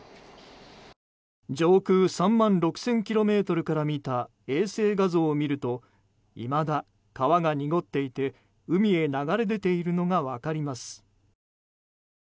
上空３万６０００ｋｍから見た衛星画像を見るといまだ川が濁っていて、海へ流れ出ているのが分かります。